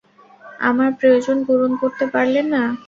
আমার প্রয়োজন পূরণ করতে পারলে না।